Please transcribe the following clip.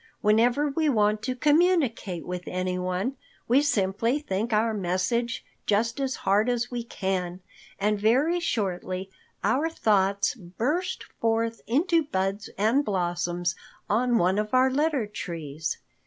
Whenever we want to communicate with anyone, we simply think our message just as hard as we can, and very shortly our thoughts burst forth into buds and blossoms on one of our letter trees.